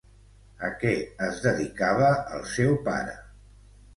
A què es dedicava el seu pare?